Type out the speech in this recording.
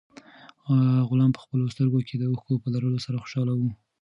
غلام په خپلو سترګو کې د اوښکو په لرلو سره خوشاله و.